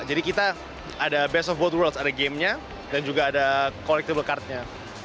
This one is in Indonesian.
jadi kita ada best of both worlds ada gamenya dan juga ada collectible card nya